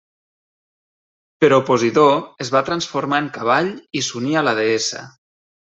Però Posidó es va transformar en cavall i s'uní a la deessa.